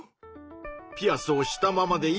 ピアスをしたままでいいのか？